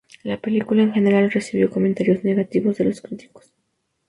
La película en general recibió comentarios negativos de los críticos.